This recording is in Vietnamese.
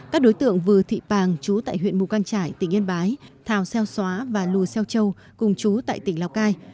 các đối tượng vừa thị pàng chú tại huyện mù căng trải tỉnh yên bái thảo xeo xóa và lù xeo châu cùng chú tại tỉnh lào cai